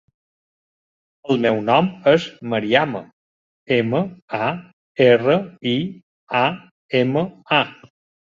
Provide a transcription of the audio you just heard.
El meu nom és Mariama: ema, a, erra, i, a, ema, a.